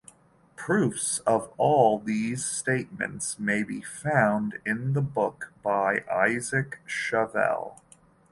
Proofs of all these statements may be found in the book by Isaac Chavel.